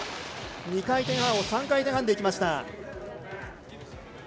２回転半を３回転半で行きました。